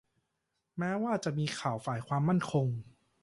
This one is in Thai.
แม้ว่าจะมีข่าวว่าฝ่ายความมั่นคง